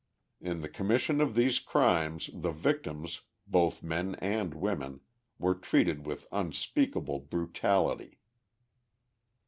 In the commission of these crimes the victims, both men and women, were treated with unspeakable brutality.